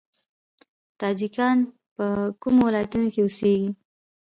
تاجکان په کومو ولایتونو کې اوسیږي؟